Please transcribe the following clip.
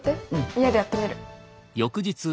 家でやってみる。